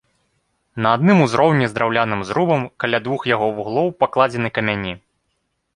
На адным узроўні з драўляным зрубам каля двух яго вуглоў пакладзены камяні.